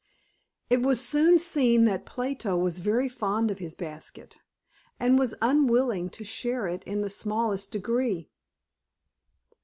It was soon seen that Plato was very fond of his basket, and was unwilling to share it in the smallest degree.